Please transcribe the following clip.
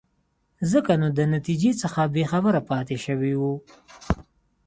ځکه نو د نتیجې څخه بې خبره پاتې شوی وو.